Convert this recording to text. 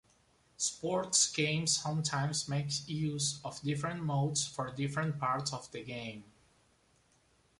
Sports games sometimes make use of different modes for different parts of the game.